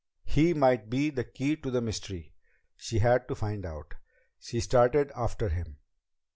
He might be the key to the mystery! She had to find out! She started after him.